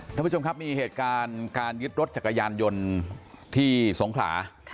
ท่านผู้ชมครับมีเหตุการณ์การยึดรถจักรยานยนต์ที่สงขลา